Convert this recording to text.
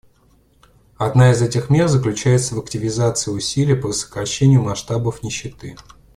Одна из этих мер заключается в активизации усилий по сокращению масштабов нищеты.